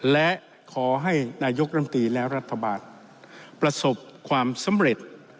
และขอให้นายกรัมตีและรัฐบาลประสบความสำเร็จ